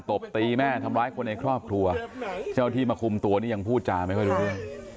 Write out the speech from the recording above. ตบตีแม่ทำร้ายคนในครอบครัวเจ้าที่มาคุมตัวนี่ยังพูดจาไม่ค่อยรู้เรื่อง